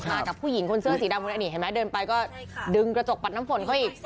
กับผู้หญิงคนเสื้อสีดำคนนี้เห็นไหมเดินไปก็ดึงกระจกปัดน้ำฝนเขาอีก